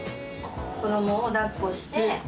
子供を抱っこして。